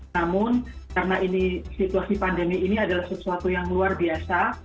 namun karena ini situasi pandemi ini adalah sesuatu yang luar biasa